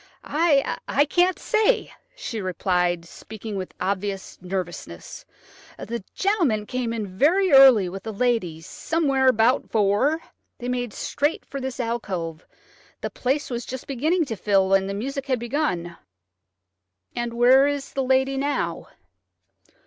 "I can't say," she replied, speaking with obvious nervousness. "The gentleman came in very early with a lady, somewhere about four. They made straight for this alcove. The place was just beginning to fill, and the music had begun." "And where is the lady now?"